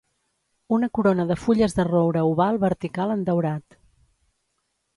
Una corona de fulles de roure oval vertical en daurat.